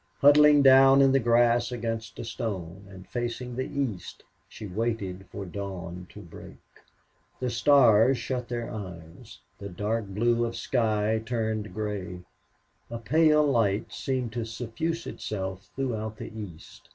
Huddling down in the grass against a stone, and facing the east, she waited for dawn to break. The stars shut their eyes; the dark blue of sky turned gray; a pale light seemed to suffuse itself throughout the east.